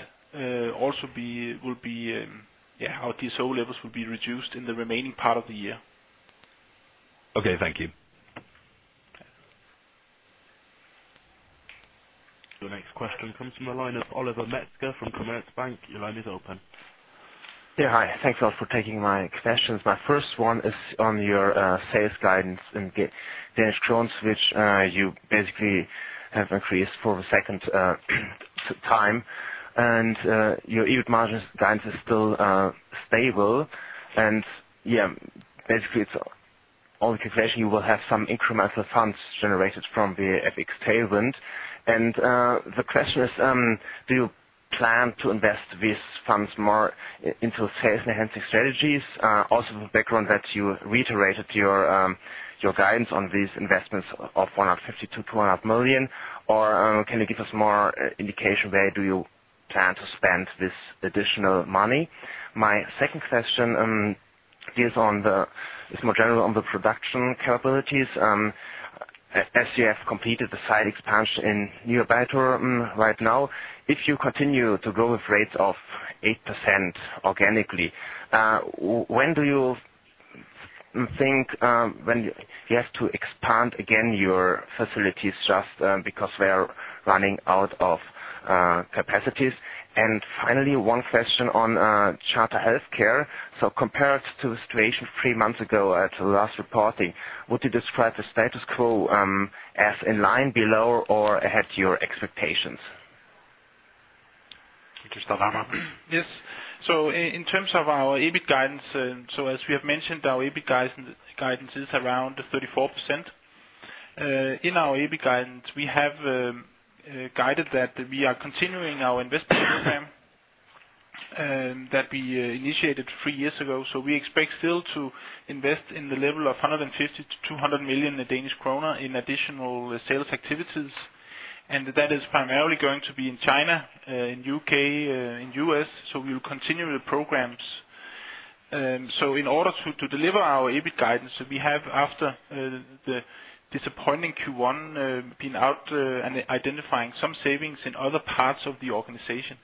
S3: yeah, our DSO levels will be reduced in the remaining part of the year.
S9: Okay. Thank you.
S1: The next question comes from the line of Oliver Metzger from Commerzbank. Your line is open.
S10: Yeah, hi. Thanks a lot for taking my questions. My first one is on your sales guidance in Danish crowns, which you basically have increased for the second time. Your EBIT margin guidance is still stable. Yeah, basically, it's all your question, you will have some incremental funds generated from the EBIT payment. The question is: Do you plan to invest these funds more into sales enhancing strategies? Also the background that you reiterated your guidance on these investments of 150 million-200 million, can you give us more indication, where do you plan to spend this additional money? My second question is more general on the production capabilities.
S2: As you have completed the site expansion in Nyborg right now, if you continue to grow with rates of 8% organically, when do you think when you have to expand again, your facilities, just because we are running out of capacities? Finally, one question on Coloplast Charter. Compared to the situation 3 months ago at the last reporting, would you describe the status quo as in line below or ahead of your expectations? You can start, Anders.
S3: Yes. In terms of our EBIT guidance, as we have mentioned, our EBIT guidance is around 34%. In our EBIT guidance, we have guided that we are continuing our investment program that we initiated three years ago. We expect still to invest in the level of 150 million-200 million Danish kroner in additional sales activities, that is primarily going to be in China, in the U.K., in the U.S. We will continue the programs. In order to deliver our EBIT guidance, we have, after the disappointing Q1, been out and identifying some savings in other parts of the organization....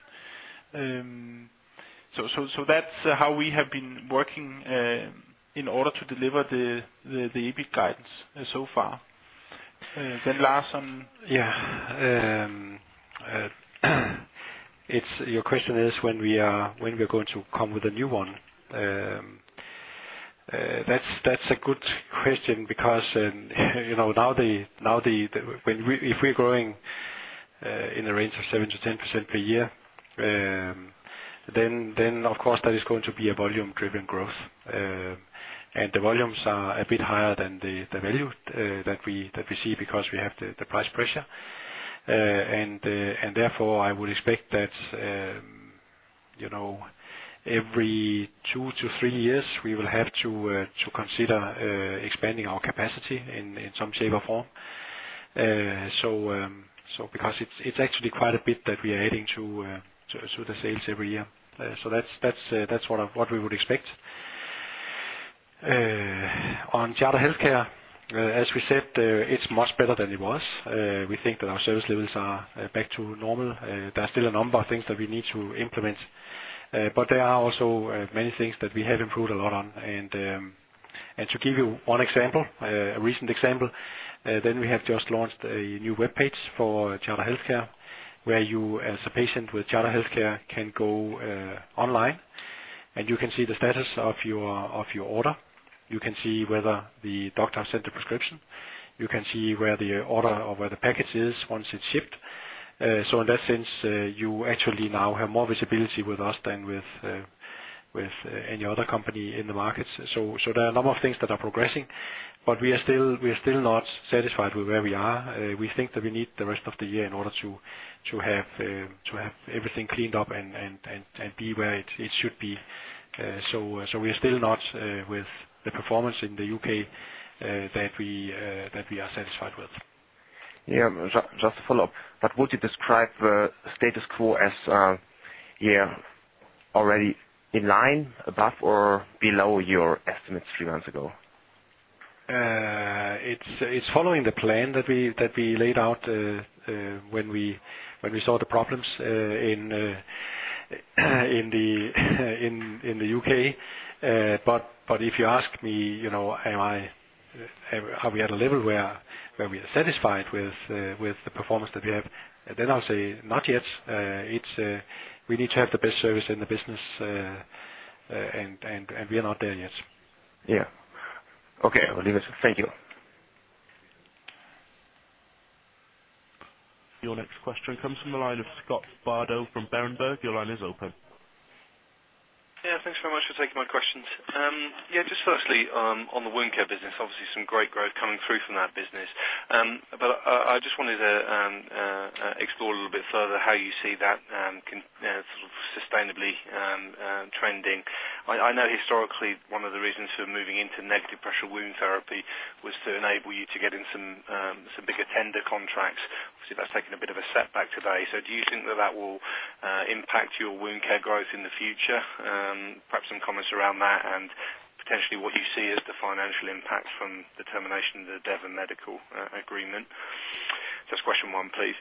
S3: so that's how we have been working, in order to deliver the EPIC guidance so far. Lars.
S2: It's, your question is when we are going to come with a new one. That's a good question because, you know, now the if we're growing in the range of 7%-10% per year, then of course, that is going to be a volume driven growth. The volumes are a bit higher than the value that we see because we have the price pressure. Therefore, I would expect that, you know, every 2-3 years, we will have to consider expanding our capacity in some shape or form. Because it's actually quite a bit that we are adding to the sales every year. That's, that's what I, what we would expect. On Coloplast Charter, as we said, it's much better than it was. We think that our service levels are back to normal. There are still a number of things that we need to implement, but there are also many things that we have improved a lot on. To give you one example, a recent example, then we have just launched a new webpage for Coloplast Charter, where you, as a patient with Coloplast Charter, can go online, and you can see the status of your, of your order. You can see whether the doctor has sent a prescription. You can see where the order or where the package is once it's shipped. In that sense, you actually now have more visibility with us than with any other company in the market. There are a number of things that are progressing, but we are still not satisfied with where we are. We think that we need the rest of the year in order to have everything cleaned up and be where it should be. We are still not with the performance in the UK that we are satisfied with.
S10: Just to follow up, but would you describe status quo as already in line, above or below your estimates three months ago?
S2: It's following the plan that we laid out when we saw the problems in the UK If you ask me, you know, am I, have we at a level where we are satisfied with the performance that we have, then I'll say, "Not yet." It's, we need to have the best service in the business, and we are not there yet.
S10: Yeah. Okay, I will leave it. Thank you.
S1: Your next question comes from the line of Scott Bardo from Berenberg. Your line is open.
S11: Yeah, thanks very much for taking my questions. Yeah, just firstly, on the Wound & Skin Care business, obviously some great growth coming through from that business. But I just wanted to explore a little bit further how you see that sort of sustainably trending. I know historically, one of the reasons for moving into Negative Pressure Wound Therapy was to enable you to get in some bigger tender contracts. Obviously, that's taken a bit of a setback today. Do you think that that will impact your Wound & Skin Care growth in the future? Perhaps some comments around that, and potentially what you see as the financial impact from the termination of the Devon Medical agreement. Just question one, please.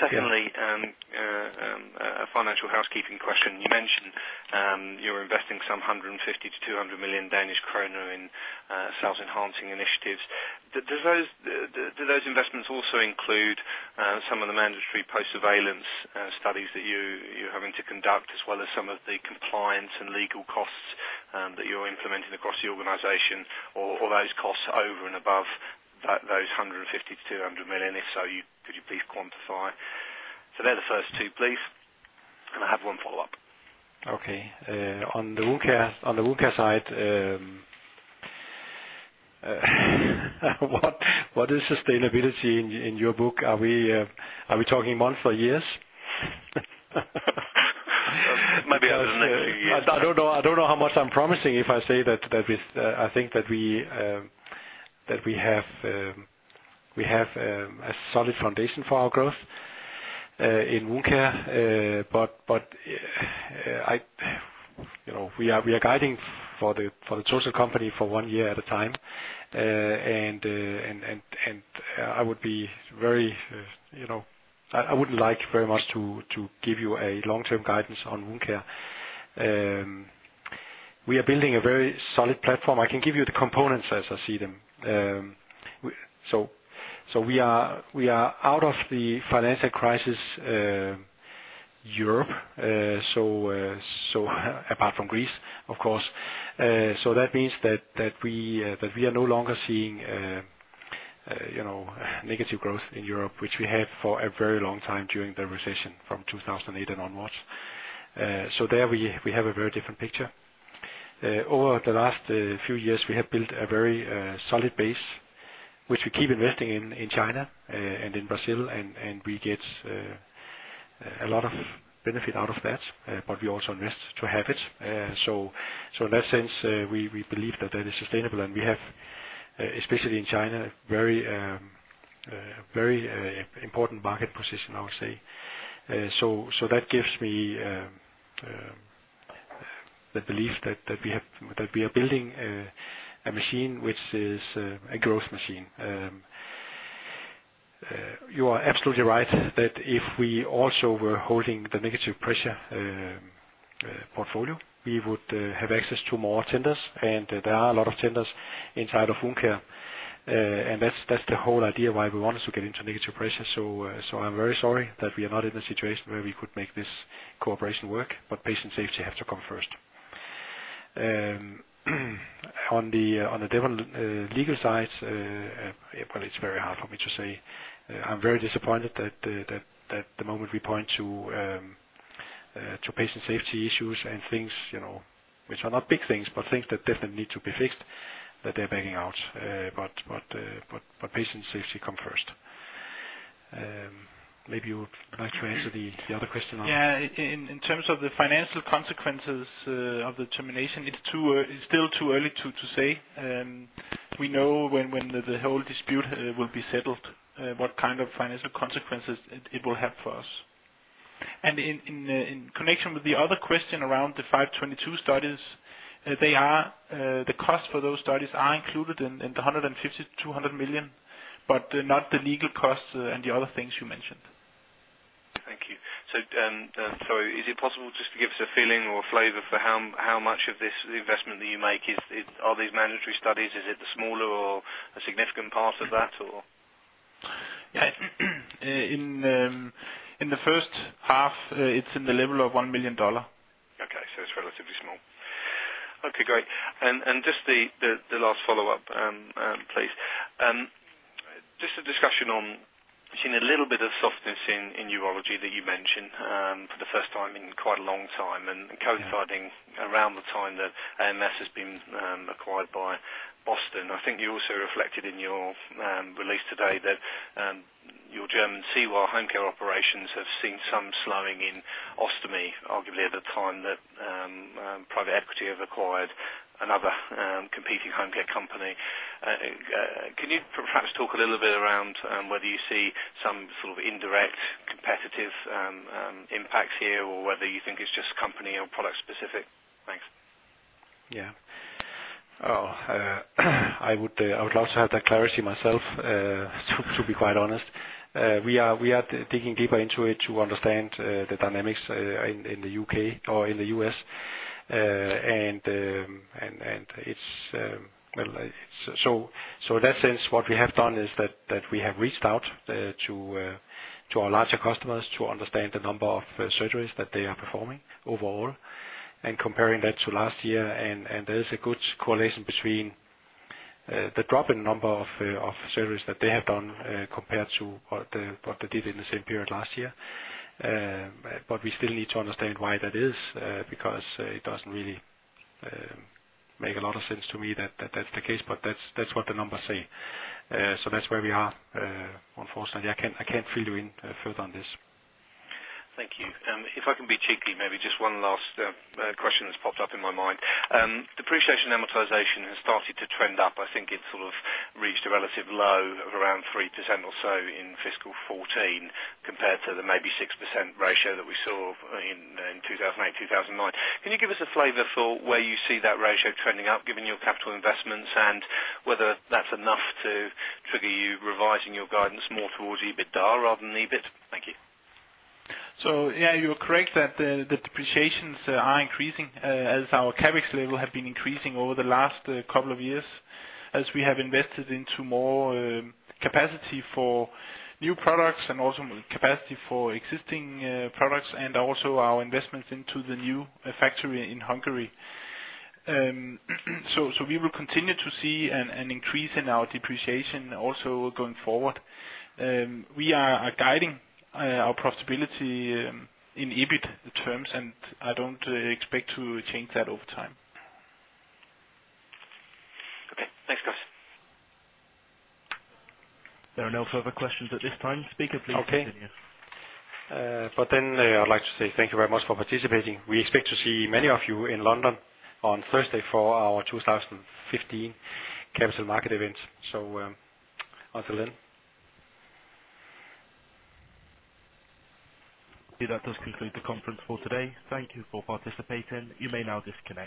S11: Secondly, a financial housekeeping question. You mentioned, you're investing some 150 million-200 million Danish kroner in sales enhancing initiatives. Do those investments also include some of the mandatory post-surveillance studies that you're having to conduct, as well as some of the compliance and legal costs that you're implementing across the organization? Or are those costs over and above those 150 million-200 million? If so, could you please quantify? They're the first two, please. I have one follow-up.
S2: Okay. On the wound care side, what is sustainability in your book? Are we talking months or years?
S11: Maybe the next few years.
S2: I don't know, I don't know how much I'm promising if I say that we, I think that we have a solid foundation for our growth in Wound Care. You know, we are guiding for the total company for one year at a time. I would be very, you know... I wouldn't like very much to give you a long-term guidance on Wound Care. We are building a very solid platform. I can give you the components as I see them. We are out of the financial crisis, Europe, apart from Greece, of course. That means that we are no longer seeing, you know, negative growth in Europe, which we had for a very long time during the recession, from 2008 and onwards. There we have a very different picture. Over the last few years, we have built a very solid base, which we keep investing in China, and in Brazil, and we get a lot of benefit out of that, but we also invest to have it. In that sense, we believe that that is sustainable, and we have, especially in China, very, very important market position, I would say. So that gives me the belief that we are building a machine which is a growth machine. You are absolutely right that if we also were holding the Negative Pressure portfolio, we would have access to more tenders. There are a lot of tenders inside of home care. That's, that's the whole idea why we wanted to get into Negative Pressure. I'm very sorry that we are not in a situation where we could make this cooperation work, but patient safety have to come first. On the, on the Devon legal side, well, it's very hard for me to say. I'm very disappointed that the moment we point to patient safety issues and things, you know, which are not big things, but things that definitely need to be fixed, that they're backing out. Patient safety come first. Maybe you would like to answer the other question on?
S3: In terms of the financial consequences of the termination, it's still too early to say. We know when the whole dispute will be settled, what kind of financial consequences it will have for us. In connection with the other question around the Section 522 studies, the cost for those studies are included in the 150 million to 200 million, but not the legal costs and the other things you mentioned.
S11: Thank you. Sorry, is it possible just to give us a feeling or flavor for how much of this investment that you make? Are these mandatory studies, is it a smaller or a significant part of that, or?
S3: In the first half, it's in the level of $1 million.
S11: Okay. It's relatively small. Okay, great. Just the last follow-up, please. Just a discussion on seeing a little bit of softness in urology that you mentioned for the first time in quite a long time, and coinciding around the time that AMS has been acquired by Boston. I think you also reflected in your release today, that your German SIEWA home care operations have seen some slowing in ostomy, arguably at the time that private equity have acquired another competing home care company. Can you perhaps talk a little bit around whether you see some sort of indirect competitive impacts here, or whether you think it's just company or product specific? Thanks.
S2: Yeah. Oh, I would love to have that clarity myself, to be quite honest. We are digging deeper into it to understand the dynamics in the UK or in the U.S., and it's, well, so in that sense, what we have done is that we have reached out to our larger customers to understand the number of surgeries that they are performing overall, and comparing that to last year. There is a good correlation between the drop in number of surgeries that they have done, compared to what they did in the same period last year. We still need to understand why that is, because it doesn't really make a lot of sense to me that's the case, that's what the numbers say. That's where we are. Unfortunately, I can't fill you in further on this.
S11: Thank you. If I can be cheeky, maybe just one last question that's popped up in my mind. Depreciation amortization has started to trend up. I think it sort of reached a relative low of around 3% or so in fiscal 2014, compared to the maybe 6% ratio that we saw in 2008, 2009. Can you give us a flavor for where you see that ratio trending up, given your capital investments, and whether that's enough to trigger you revising your guidance more towards EBITDA rather than EBIT? Thank you.
S3: You're correct that the depreciations are increasing, as our CapEx level have been increasing over the last couple of years, as we have invested into more capacity for new products and also capacity for existing products, and also our investments into the new factory in Hungary. We will continue to see an increase in our depreciation also going forward. We are guiding our profitability in EBIT terms, and I don't expect to change that over time.
S11: Okay. Thanks, guys.
S1: There are no further questions at this time. Speaker, please continue.
S2: Okay. I'd like to say thank you very much for participating. We expect to see many of you in London on Thursday for our 2015 capital market event. Until then.
S1: That does conclude the conference for today. Thank you for participating. You may now disconnect.